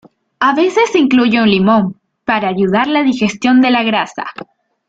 A veces se incluye un limón para ayudar la digestión de la grasa.